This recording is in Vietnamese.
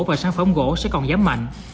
và sản phẩm gỗ sẽ còn giảm mạnh